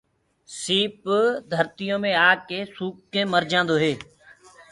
سيٚپ ڌرتيو مي آڪي سوُڪ ڪي مرجآندآ هي۔